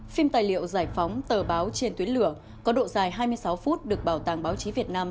phim tài liệu giải phóng tờ báo trên tuyến lửa có độ dài hai mươi sáu phút được bảo tàng báo chí việt nam